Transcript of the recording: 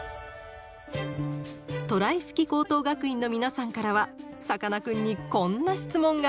トライ式高等学院の皆さんからはさかなクンにこんな質問が。